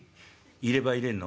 「入れ歯入れんの？」。